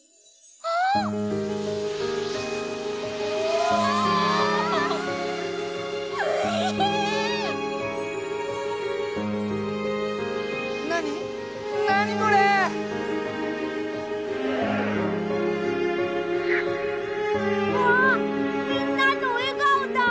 あっみんなのえがおだ！